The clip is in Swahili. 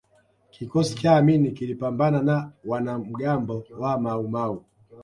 kikosi cha amini kilipambana na wanamgambo wa maumau